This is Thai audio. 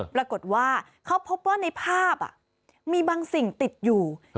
ปรากฏว่าเขาพบว่าในภาพมีบางสิ่งติดอยู่